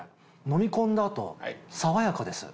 飲み込んだ後爽やかです。